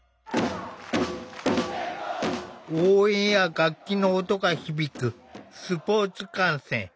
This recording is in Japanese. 応援や楽器の音が響くスポーツ観戦。